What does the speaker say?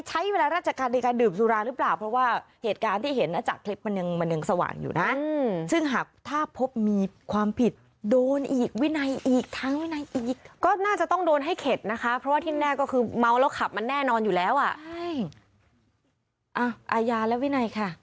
จะรายงานผลให้ทราบ๗วัน